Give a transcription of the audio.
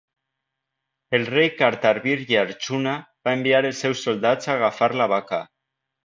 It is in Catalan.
El rei Kartavirya Arjuna va enviar els seus soldats a agafar la vaca.